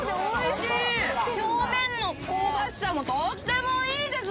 表面の香ばしさもとってもいいです。